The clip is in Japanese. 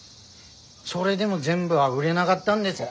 それでも全部は売れながったんです。